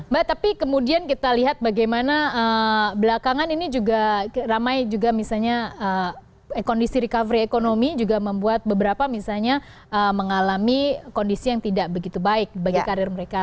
mbak tapi kemudian kita lihat bagaimana belakangan ini juga ramai juga misalnya kondisi recovery ekonomi juga membuat beberapa misalnya mengalami kondisi yang tidak begitu baik bagi karir mereka